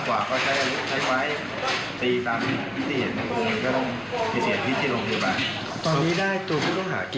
ก็รับสามารถว่าตามที่เราเห็นก็พูด